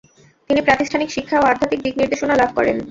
তিনি প্রাতিষ্ঠানিক শিক্ষা ও আধ্যাত্মিক দিকনির্দেশনা লাভ করেন।